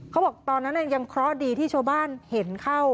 เขาบอกตอนนั้นยังเคราะห์ดีที่ชาวบ้านเห็นเข้า